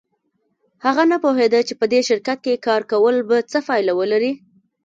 هغه نه پوهېده چې په دې شرکت کې کار کول به څه پایله ولري